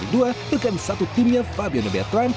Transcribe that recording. dengan satu timnya fabiano bertram